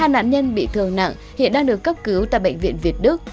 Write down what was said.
ba nạn nhân bị thương nặng hiện đang được cấp cứu tại bệnh viện việt đức